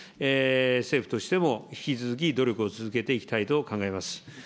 政府としても、引き続き努力を続けていきたいと思います。